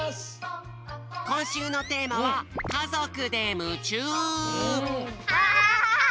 こんしゅうのテーマははい！